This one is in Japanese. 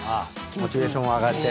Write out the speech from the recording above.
モチベーションが上がって。